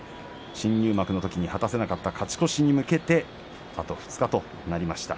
新入幕のときに果たせなかった勝ち越しに向けてあと２日となりました。